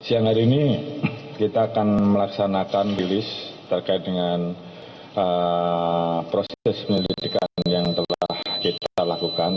siang hari ini kita akan melaksanakan rilis terkait dengan proses penyelidikan yang telah kita lakukan